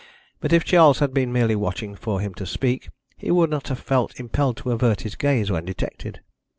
But if Charles had been merely watching for him to speak he would not have felt impelled to avert his gaze when detected.